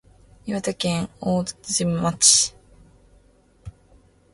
岩手県大槌町